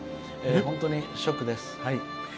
本当にショックです。